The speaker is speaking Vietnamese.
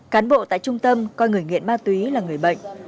cán bộ tại trung tâm coi người nghiện ma túy là người bệnh